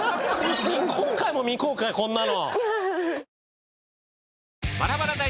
今回も未公開こんなの。